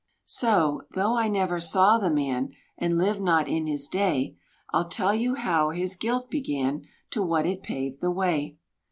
So, though I never saw the man, And lived not in his day; I'll tell you how his guilt began To what it paved the way.